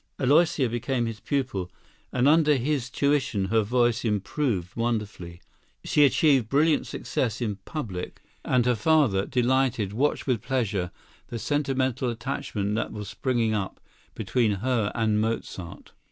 Aloysia became his pupil; and under his tuition her voice improved wonderfully. She achieved brilliant success in public, and her father, delighted, watched with pleasure the sentimental attachment that was springing up between her and Mozart.